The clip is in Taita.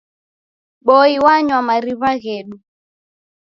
Boi wanywa mariw'a ghedu.